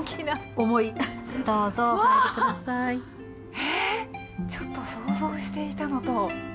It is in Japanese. へえちょっと想像していたのと違います。